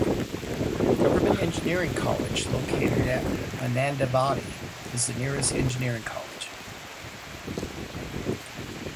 Government Engineering College located at Mananthavady is the nearest engineering college.